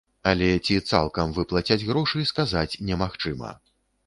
Але ці цалкам выплацяць грошы, сказаць немагчыма.